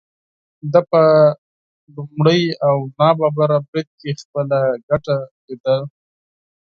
ده په لومړي او ناڅاپي بريد کې خپله ګټه ليده.